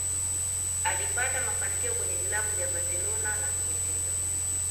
Akipata mafanikio kwenye vilabu vya Barcelona na vinginevyo